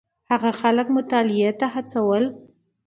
هغه خلک مطالعې ته هڅول.